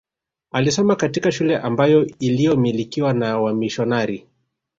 Alisoma katika shule ambayo iliyomilikiwa na wamisionari